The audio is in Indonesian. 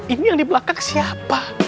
ini yang di belakang siapa